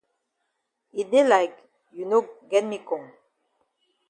E dey like you no get me kong